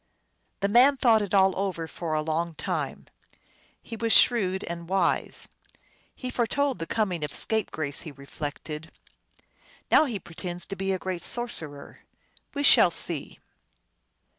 The man thought it all over for a long time. He was shrewd and wise. " He foretold the coming of Scapegrace," he reflected. " Now he pretends to be a very great sorcerer. We shall see